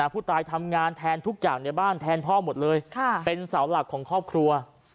ผู้ตายทำงานแทนทุกอย่างในบ้านแทนพ่อหมดเลยเป็นเสาหลักของครอบครัว